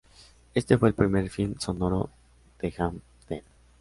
Éste fue el primer film sonoro de Hampden.